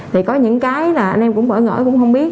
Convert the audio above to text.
thì có những cái là anh em cũng bỡ ngỡ cũng không biết